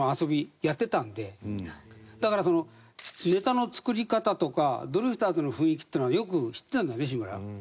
だからネタの作り方とかドリフターズの雰囲気というのはよく知ってたんだね志村は。